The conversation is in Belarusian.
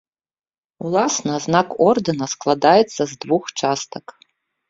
Уласна знак ордэна складаецца з двух частак.